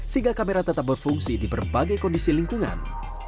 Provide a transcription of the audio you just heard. sehingga kamera tetap berfungsi di berbagai kondisi lingkungan